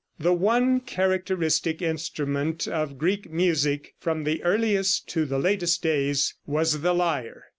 The one characteristic instrument of Greek music from the earliest to the latest days was the lyre.